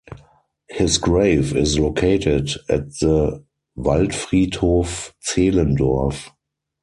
His grave is located at the Waldfriedhof Zehlendorf.